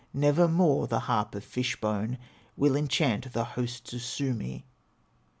Nevermore the harp of fish bone Will enchant the hosts of Suomi!"